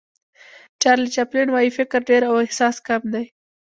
چارلي چاپلین وایي فکر ډېر او احساس کم دی.